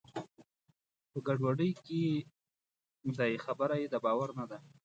په ګډوډۍ کې دی؛ خبره یې د باور نه ده.